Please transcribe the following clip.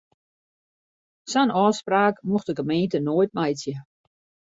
Sa'n ôfspraak mocht de gemeente noait meitsje.